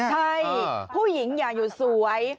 ใช่ผู้หญิงอย่าอยู่สวย